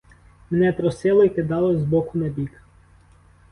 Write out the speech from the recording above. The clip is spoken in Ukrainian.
Мене трусило й кидало з боку на бік.